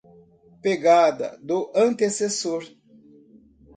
Pegada do antecessor